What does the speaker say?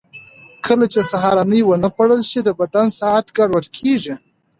کله چې سهارنۍ ونه خورل شي، د بدن ساعت ګډوډ کېږي.